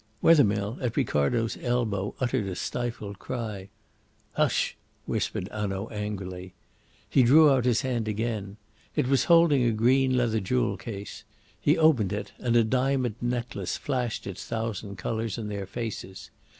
Wethermill at Ricardo's elbow uttered a stifled cry. "Hush!" whispered Hanaud angrily. He drew out his hand again. It was holding a green leather jewel case. He opened it, and a diamond necklace flashed its thousand colours in their faces.